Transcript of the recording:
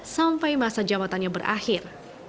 sampai masa jabatannya berakhir